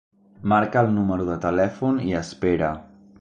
Marca el número de telèfon i espera.